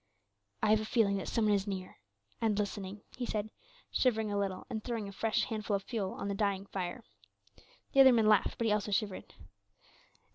"I have a feeling that some one is near and listening," he said, shivering a little, and throwing a fresh handful of fuel on the dying fire. The other man laughed, but he also shivered.